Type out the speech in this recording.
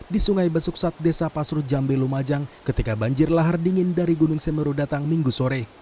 di sungai besuksat desa pasru jambe lumajang ketika banjir lahar dingin dari gunung semeru datang minggu sore